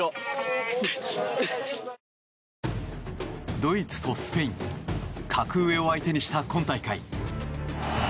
ドイツとスペイン格上を相手にした今大会。